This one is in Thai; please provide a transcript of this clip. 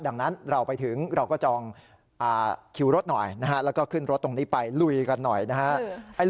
ดังนั้นเราไปถึงเราก็จองคิวรถหน่อยนะฮะแล้วก็ขึ้นรถตรงนี้ไปลุยกันหน่อยนะฮะ